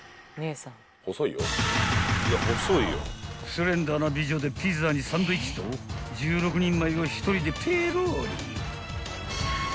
［スレンダーな美女でピザにサンドイッチと１６人前を一人でペロリ］